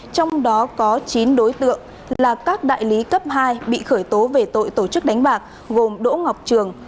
trong đó có chín đối tượng là các đại lý cấp hai bị khởi tố về tội tổ chức đánh bạc gồm đỗ ngọc trường